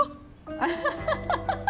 アハハハハハッ！